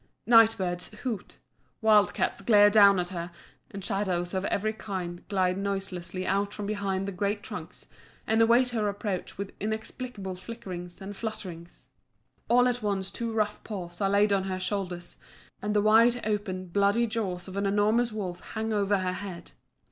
Night birds hoot; wild cats glare down at her; and shadows of every kind glide noiselessly out from behind the great trunks, and await her approach with inexplicable flickerings and flutterings. All at once two rough paws are laid on her shoulders, and the wide open, bloody jaws of an enormous wolf hang over her head.